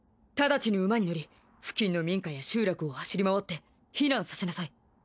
直ちに馬に乗り付近の民家や集落を走り回って避難させなさい。